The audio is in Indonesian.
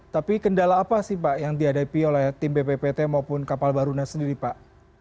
tapi kendala apa sih pak yang dihadapi oleh tim bppt maupun kapal baruna sendiri pak